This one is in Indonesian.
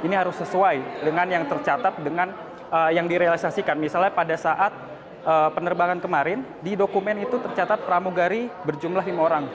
ini harus sesuai dengan yang tercatat dengan yang direalisasikan misalnya pada saat penerbangan kemarin di dokumen itu tercatat pramugari berjumlah lima orang